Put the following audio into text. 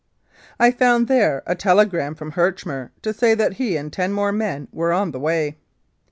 I found there a telegram from Herchmer to say that he and ten more men were on the way.